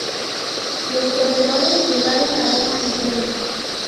Los corredores llegaron a Roma en tren.